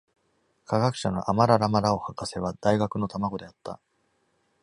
科学者の Amara rama Rao 博士は大学の卵であった。